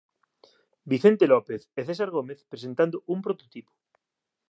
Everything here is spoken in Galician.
Vicente López e César Gómez presentando un prototipo.